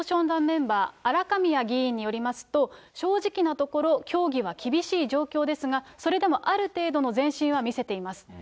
団メンバー、アラカミア議員によりますと、正直なところ、協議は厳しい状況ですが、それでもある程度の前進は見せています。